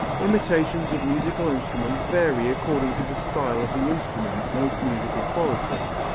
Imitations of musical instruments vary according to the style of the instrument and its musical quality.